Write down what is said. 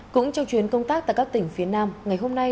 cũng trong chuyến công tác tại các tỉnh phía nam ngày hôm nay